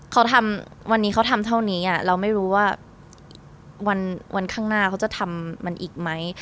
เขาทำวันนี้เขาทำเท่านี้เราไม่รู้ว่าวันข้างหน้าเขาจะทำมันอีกไหม